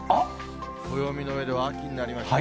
暦の上では秋になりましたね。